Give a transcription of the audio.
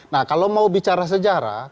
nah kalau mau bicara sejarah